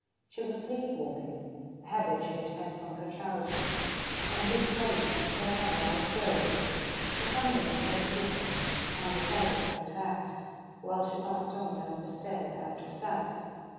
She was sleep walking, a habit she had had from her childhood, and which apparently she had never outgrown. For some minutes I stood there, undecided how to act, while she passed on down the stairs, out of sight.